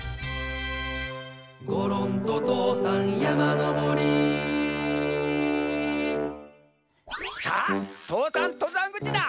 「ごろんととうさんやまのぼり」さあ父山とざんぐちだ。